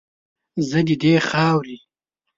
زه ددې خاورې